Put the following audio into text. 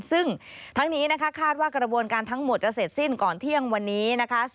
ซึ่งทั้งนี้นะคะคาดว่ากระบวนการทั้งหมดจะเสร็จสิ้นก่อนเที่ยงวันนี้นะคะ